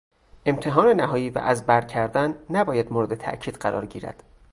امتحان نهایی و از برکردن نباید مورد تاکید قرار گیرد.